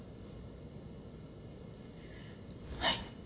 はい。